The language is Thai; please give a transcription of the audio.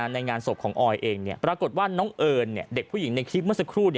ในงานศพของออยเองปรากฏว่าน้องเอิญเด็กผู้หญิงในคลิปเมื่อสักครู่